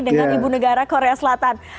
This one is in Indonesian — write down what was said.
dengan ibu negara korea selatan